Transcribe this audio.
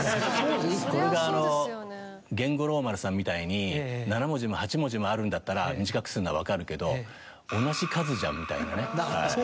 これが源五郎丸さんみたいに７文字も８文字もあるんだったら短くするのは分かるんだけど、同じ数じゃんみたいなね。